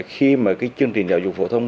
khi mà cái chương trình giáo dục phổ thông